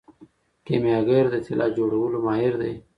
کیمیاګر د طلا جوړولو ماهر دی.